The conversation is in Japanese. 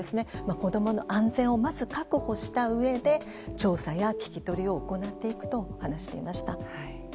子供の安全をまず確保したうえで調査や聞き取りを行っていくと話していました。